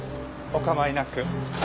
お構いなく。